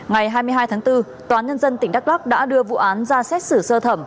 ngày hai mươi hai tháng bốn tòa nhân dân tỉnh đắk lắc đã đưa vụ án ra xét xử sơ thẩm